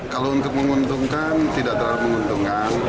kalau untuk menguntungkan tidak terlalu menguntungkan